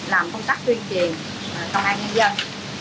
làm công tác tuyên truyền công an nhân dân